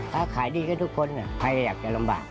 ถ้าขายดีก็ทุกคนใครอยากจะลำบาก